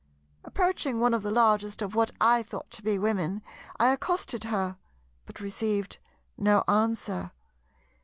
Approaching one of the largest of what I thought to be Women, I accosted her, but received no answer.